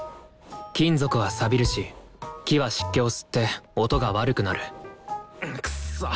金属はさびるし木は湿気を吸って音が悪くなるくっそ！